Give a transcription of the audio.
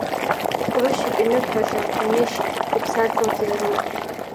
Ҟәрышьуп иныҳәаҿа, инышь, иԥсадгьылгьы иароуп.